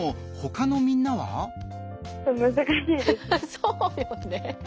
そうよね。